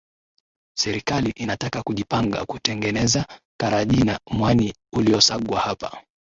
Serikali inataka kujipanga kutengeneza karajina mwani uliosagwa hapa